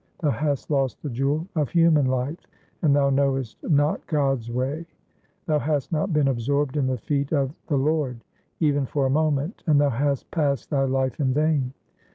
Thou hast lost the jewel of human life, and thou knowest not God's way ; Thou hast not been absorbed in the feet of the Lord even for a moment, and thou hast passed thy life in vain.